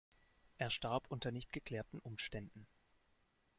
Er starb unter nicht geklärten Umständen.